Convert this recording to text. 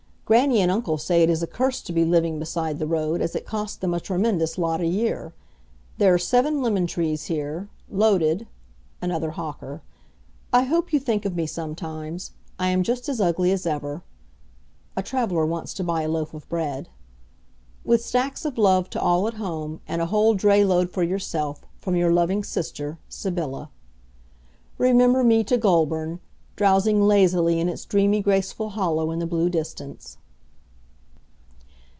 Grannie and uncle say it is a curse to be living beside the road, as it costs them a tremendous lot a year. There are seven lemon trees here, loaded (another hawker). I hope you think of me sometimes. I am just as ugly as ever. (A traveller wants to buy a loaf of bread.) With stacks of love to all at home, and a whole dray load for yourself, from your loving sister, Sybylla. Remember me to Goulburn, drowsing lazily in its dreamy graceful hollow in the blue distance.